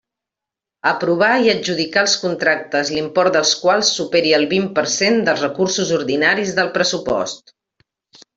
Aprovar i adjudicar els contractes l'import dels quals superi el vint per cent dels recursos ordinaris del pressupost.